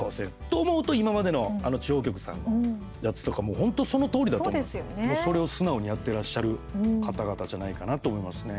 と、思うと今までの地方局さんのやつとか本当そのとおりだと。それを素直にやってらっしゃる方々じゃないかなと思いますね。